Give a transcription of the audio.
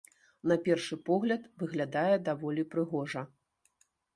На першы погляд, выглядае даволі прыгожа.